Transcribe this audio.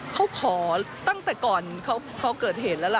เขาขอตั้งแต่ก่อนเขาเกิดเหตุแล้วล่ะ